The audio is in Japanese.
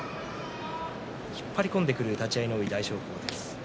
引っ張り込んでくる立ち合いの多い大翔鵬です。